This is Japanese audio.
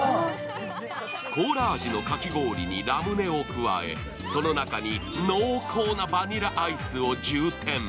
コーラ味のかき氷にラムネを加えその中に濃厚なバニラアイスを充填。